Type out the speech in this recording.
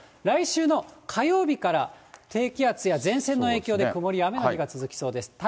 来週の火曜日から、低気圧や前線の影響で曇りや雨の日が続きそうです。